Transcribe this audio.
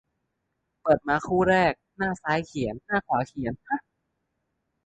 เปิดมาคู่แรก หน้าซ้ายเขียน หน้าขวาเขียน ฮะ